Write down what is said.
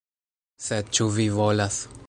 Sed ĉu vi volas?